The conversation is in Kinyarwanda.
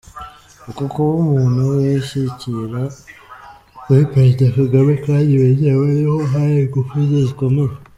Uko kuba umuntu wishyikira kuri Perezida Kagame kandi wizewe niho hari ingufu ze zikomeye.